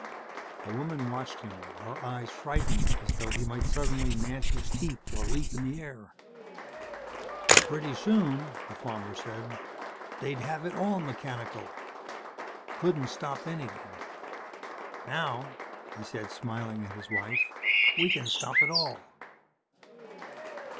The woman watched him, her eyes frightened as though he might suddenly gnash his teeth or leap in the air. "Pretty soon," the farmer said, "they'd have it all mechanical. Couldn't stop anything. Now," he said, smiling at his wife, "we can stop it all."